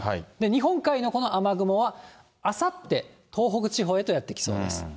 日本海のこの雨雲はあさって、東北地方へとやって来そうです。